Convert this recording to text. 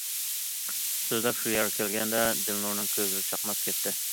سۆزلەپ شۇ يەرگە كەلگەندە دىلنۇرنىڭ كۆزلىرى چاقناپ كەتتى.